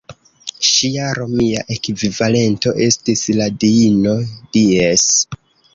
Ŝia romia ekvivalento estis la diino "Dies".